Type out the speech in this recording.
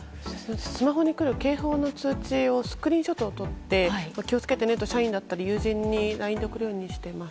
スマホに来る警報の通知をスクリーンショットを撮って気を付けてねと社員だったり友人に送るようにしています。